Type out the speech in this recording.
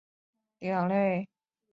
模糊测试工具通常可以被分为两类。